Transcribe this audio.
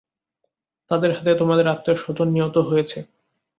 তাদের হাতে তোমাদের আত্মীয়-স্বজন নিহত হয়েছে।